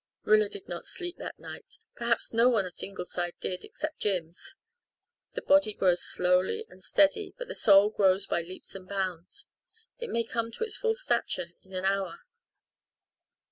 Rilla did not sleep that night. Perhaps no one at Ingleside did except Jims. The body grows slowly and steadily, but the soul grows by leaps and bounds. It may come to its full stature in an hour.